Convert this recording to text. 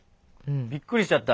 びっくりしちゃった。